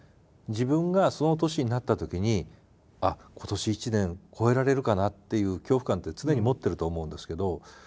自分がその年になったときにあっ今年一年越えられるかなっていう恐怖感って常に持ってると思うんですけど。